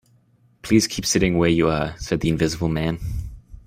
"Please keep sitting where you are," said the Invisible Man.